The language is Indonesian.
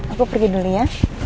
aku pergi dulu ya